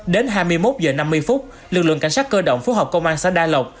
đến hai mươi một h năm mươi phút lực lượng cảnh sát cơ động phố học công an xã đa lộc